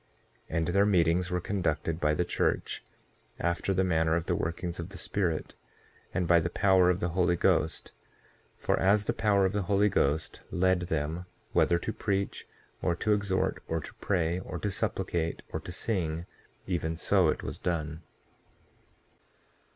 6:9 And their meetings were conducted by the church after the manner of the workings of the Spirit, and by the power of the Holy Ghost; for as the power of the Holy Ghost led them whether to preach, or to exhort, or to pray, or to supplicate, or to sing, even so it was done.